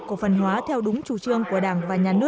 của phần hóa theo đúng chủ trương của đảng